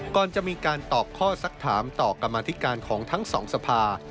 ก่อนจะมีการตอบข้อสักถามต่อกรรมธิการของทั้งสองสภา